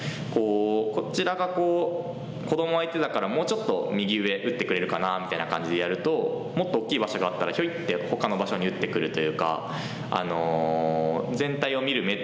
こちらが子ども相手だからもうちょっと右上打ってくれるかなみたいな感じでやるともっと大きい場所があったらひょいってほかの場所に打ってくるというか。